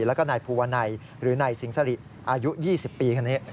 แล้วก็นายภูวนัยหรือนายสิงสริอายุ๒๐ปีคนนี้